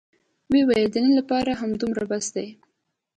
ويې ويل د نن دپاره همدومره بس دى.